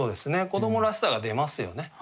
子どもらしさが出ますよね。